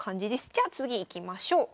じゃあ次いきましょう。